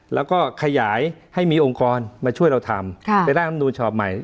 แล้วก็ขยายให้มีองค์กรมาช่วยเราทำไปร่างลำนูญฉบับใหม่